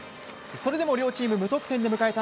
それでも両チーム無得点で迎えた